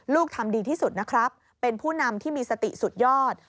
ทำดีที่สุดนะครับเป็นผู้นำที่มีสติสุดยอด